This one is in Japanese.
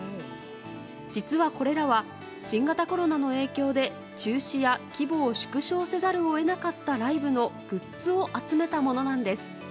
実は、これらは新型コロナの影響で中止や規模を縮小せざるを得なかったライブのグッズを集めたものなんです。